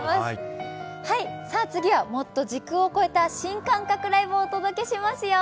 次はもっと時空を超えた新感覚ライブをお届けしますよ。